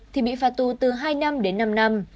thì bị phạt tù từ hai năm đến năm năm